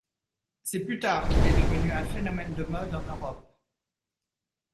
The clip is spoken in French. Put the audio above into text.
C'est plus tard qu'il est devenu un phénomène de mode en Europe.